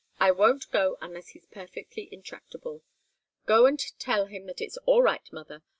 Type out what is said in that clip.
"I won't go unless he's perfectly intractable. Go and tell him that it's all right, mother.